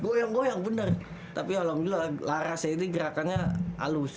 goyang goyang bener tapi alhamdulillah larasnya ini gerakannya halus